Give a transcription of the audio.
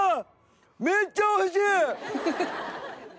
めっちゃおいしい！